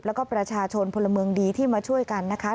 แล้วก็ประชาชนพลเมืองดีที่มาช่วยกันนะคะ